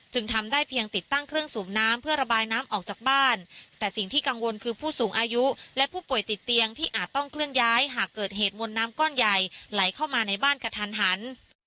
ทำได้เพียงติดตั้งเครื่องสูบน้ำเพื่อระบายน้ำออกจากบ้านแต่สิ่งที่กังวลคือผู้สูงอายุและผู้ป่วยติดเตียงที่อาจต้องเคลื่อนย้ายหากเกิดเหตุมวลน้ำก้อนใหญ่ไหลเข้ามาในบ้านกระทันหัน